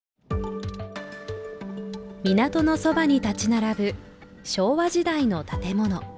港のそばに建ち並ぶ昭和時代の建物。